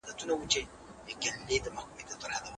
د لږي ګټي لپاره د لوی تاوان څخه ځان ساتل پکار دي.